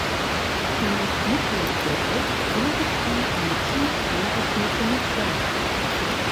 Im Mittellauf bildet er eine tief eingeschnittene Klamm.